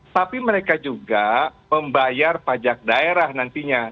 tapi mereka juga membayar pajak daerah nantinya